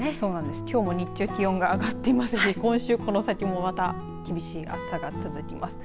きょうも日中気温が上がっていますし今週この先もまたまた厳しい暑さが続きます。